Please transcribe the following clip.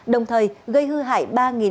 đồng thời gây hư hại